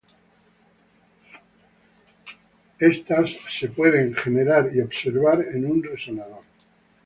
Estas pueden ser generadas y observadas en un resonador.